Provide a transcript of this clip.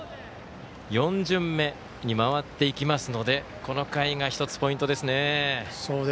４巡目に回っていきますのでこの回が１つポイントですね。